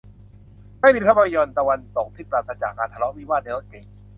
ไม่มีภาพยนตร์ตะวันตกที่ปราศจากการทะเลาะวิวาทในรถเก๋ง